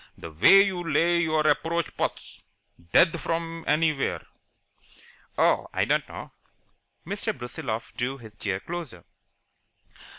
The way you lay your approach putts dead from anywhere!" "Oh, I don't know." Mr. Brusiloff drew his chair closer.